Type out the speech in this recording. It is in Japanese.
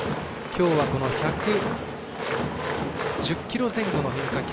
きょうは１１０キロ前後の変化球。